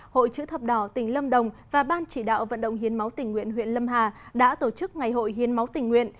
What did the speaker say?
hội chữ thập đỏ tỉnh lâm đồng và ban chỉ đạo vận động hiến máu tỉnh nguyện huyện lâm hà đã tổ chức ngày hội hiến máu tỉnh nguyện